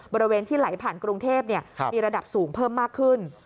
บริเวณที่ไหลผ่านกรุงเทพมีระดับสูงเพิ่มมากขึ้น